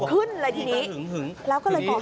ขึ้นเลยทีนี้แล้วก็เลยก่อเหตุ